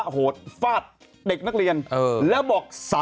โอ้โหไปเดี๋ยวกลับมา